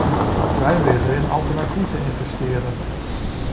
Wij willen in alternatieven investeren.